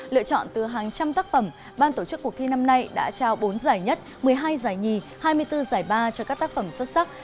lựa chọn từ hàng trăm tác phẩm ban tổ chức cuộc thi năm nay đã trao bốn giải nhất một mươi hai giải nhì hai mươi bốn giải ba cho các tác phẩm xuất sắc